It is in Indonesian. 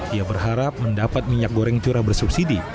ia berharap mendapat minyak goreng curah bersubsidi